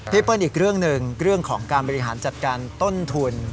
เปิ้ลอีกเรื่องหนึ่งเรื่องของการบริหารจัดการต้นทุน